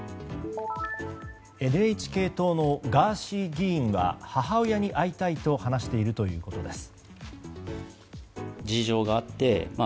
ＮＨＫ党のガーシー議員は母親に会いたいと話しているということです。